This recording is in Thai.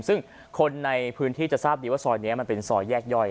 ซึ่งคนในพื้นที่จะทราบดีว่าซอยนี้มันเป็นซอยแยกย่อย